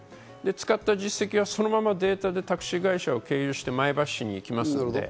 使った実績はそのままデータでタクシー会社を経由して前橋市に行きます。